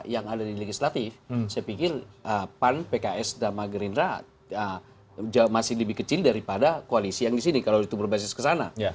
yang ada di legislatif saya pikir pan pks dan gerindra masih lebih kecil daripada koalisi yang di sini kalau itu berbasis ke sana